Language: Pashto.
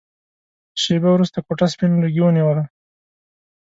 شېبه وروسته کوټه سپين لوګي ونيوله.